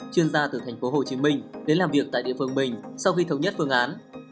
chuyên gia từ thành phố hồ chí minh đến làm việc tại địa phương mình sau khi thống nhất phương án